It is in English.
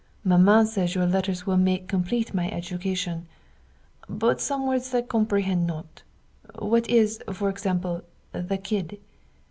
Maman say your letters will make complete my education. But some words I comprehend not. What is, for example, the kid?